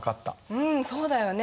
うんそうだよね。